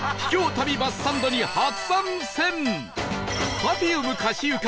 旅バスサンドに初参戦